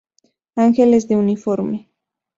Ángeles de uniforme